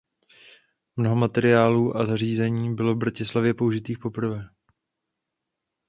Mnoho materiálů a zařízení bylo v Bratislavě použitých poprvé.